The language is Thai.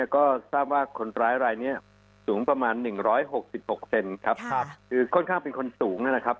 ก็ทราบว่าคนร้ายรายนี้สูงประมาณ๑๖๖เซนครับคือค่อนข้างเป็นคนสูงนะครับ